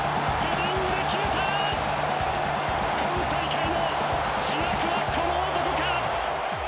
今大会の主役はこの男か？